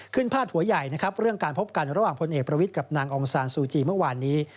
พาดหัวใหญ่นะครับเรื่องการพบกันระหว่างพลเอกประวิทย์กับนางองซานซูจีเมื่อวานนี้